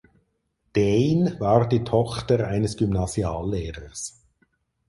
Dane war die Tochter eines Gymnasiallehrers.